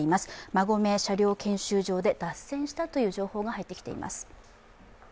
馬込車両検修場で脱線したという情報が入ってきています。